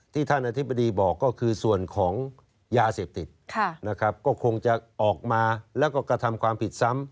ท่านอธิบดีบอกก็คือส่วนของยาเสพติดนะครับก็คงจะออกมาแล้วก็กระทำความผิดซ้ำ